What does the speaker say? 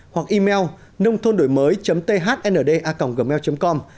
hoặc email nôngthondổimới thnda gmail com